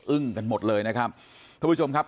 อึ้งกันหมดเลยนะครับ